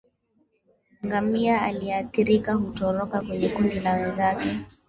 Ngamia aliyeathirika hutoroka kwenye kundi la wenzake